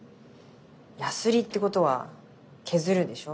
やすりってことは削るでしょ？